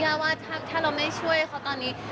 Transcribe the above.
ว่าถ้าเราไม่ช่วยเขาตอนนี้